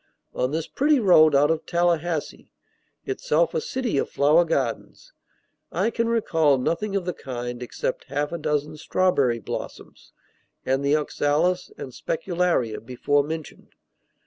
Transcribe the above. On this pretty road out of Tallahassee itself a city of flower gardens I can recall nothing of the kind except half a dozen strawberry blossoms, and the oxalis and specularia before mentioned.